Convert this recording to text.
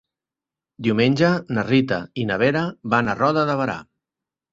Diumenge na Rita i na Vera van a Roda de Berà.